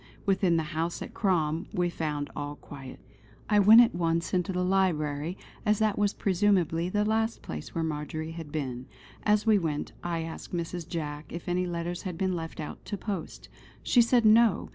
Within the house at Crom we found all quiet. I went at once into the library, as that was presumably the last place where Marjory had been. As we went, I asked Mrs. Jack if any letters had been left out to post. She said no!